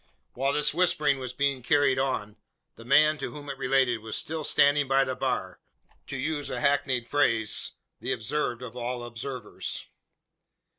While this whispering was being carried on, the man to whom it related was still standing by the bar to use a hackneyed phrase, "the observed of all observers."